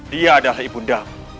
dia adalah ibu ndama